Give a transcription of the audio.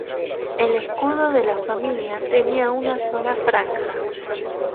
El escudo de la familia tenía una sola franja.